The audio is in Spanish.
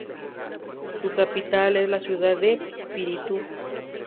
Su capital es la ciudad de Píritu.